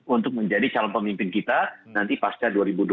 untuk menjadi calon pemimpin kita nanti pasca dua ribu dua puluh empat